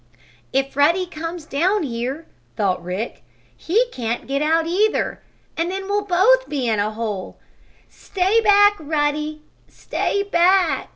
"If Ruddy comes down here," thought Rick, "he can't get out either, and then we'll both be in a hole! Stay back, Ruddy! Stay back!"